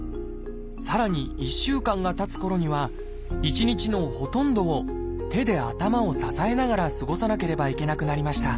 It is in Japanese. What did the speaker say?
さらに１週間がたつころには１日のほとんどを手で頭を支えながら過ごさなければいけなくなりました